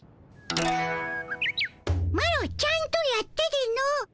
マロちゃんとやったでの。